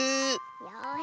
よし。